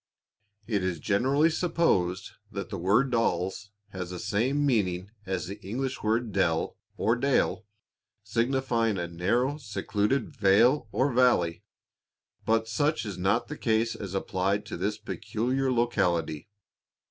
It is generally supposed that the word "Dalles" has the same meaning as the English word "Dell" or "Dale" signifying a narrow secluded vale or valley, but such is not the case as applied to this peculiar locality.